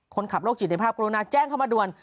คนขับโรคจิตในภาพกรุณาแจ้งเข้ามาด่วน